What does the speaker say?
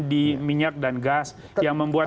di minyak dan gas yang membuat